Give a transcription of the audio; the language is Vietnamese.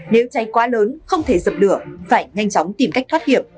nếu cháy quá lớn không thể dập lửa phải nhanh chóng tìm cách thoát hiểm